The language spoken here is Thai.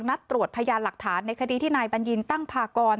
นัดตรวจพยานหลักฐานในคดีที่นายบัญญินตั้งพากร